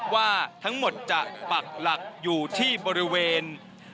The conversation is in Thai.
ว่าทั้งหมดจะปักหลักอยู่ที่บริเวณ